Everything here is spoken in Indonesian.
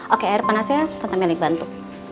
oke air panasnya tante meli bantu